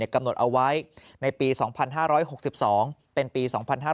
กำหนดเอาไว้ในปี๒๕๖๒เป็นปี๒๕๕๙